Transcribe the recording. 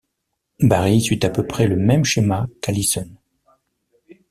Barry suit à peu près le même schéma qu'Allison.